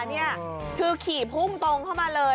นี่คือขี่ภูมิตรงไปเข้ามาเลย